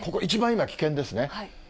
今、危険ですね。